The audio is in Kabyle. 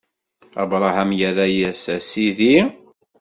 Abṛaham irra-yas: A Sidi!